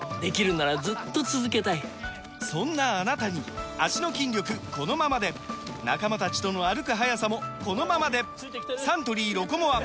そんなあなたに脚の筋力このままで仲間たちとの歩く速さもこのままでサントリー「ロコモア」！